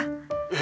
え